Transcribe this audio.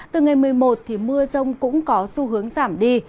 từ ngày một mươi một mưa rông cũng có xu hướng giảm đi